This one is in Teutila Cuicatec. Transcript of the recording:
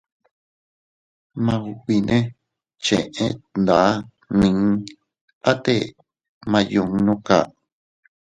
Maubi nee cheʼe tndaa nni atte gmaayunnu kaa.